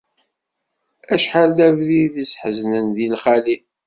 Acḥal d abrid i t-sḥeznen di lxali.